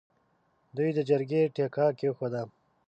دوی د جرګې تیګه کېښووه.